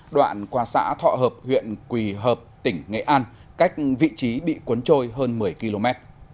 đoạn qua xã thọ hợp huyện quỳ hợp tỉnh nghệ an cách vị trí bị cuốn trôi hơn một mươi km